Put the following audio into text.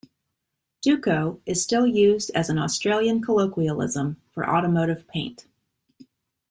"Duco" is still used as an Australian colloquialism for automotive paint.